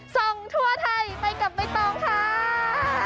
ทรงทั่วไทยไปกับไม้ต้องค่า